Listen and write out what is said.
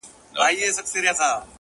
زما کار نسته بُتکده کي- تر کعبې پوري-